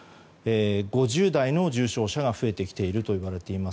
５０代の重症者が増えてきているといわれています。